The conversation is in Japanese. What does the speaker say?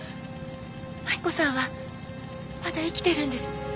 真紀子さんはまだ生きてるんです